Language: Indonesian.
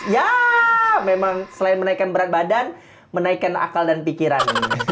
ya memang selain menaikkan berat badan menaikkan akal dan pikiran